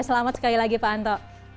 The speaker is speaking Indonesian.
selamat sekali lagi pak anto